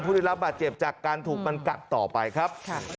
ได้รับบาดเจ็บจากการถูกมันกัดต่อไปครับ